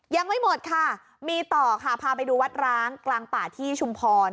ยังไม่หมดค่ะมีต่อค่ะพาไปดูวัดร้างกลางป่าที่ชุมพร